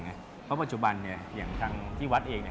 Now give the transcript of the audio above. เพราะปัจจุบันเนี่ยอย่างทั้งที่วัดเองเนี่ย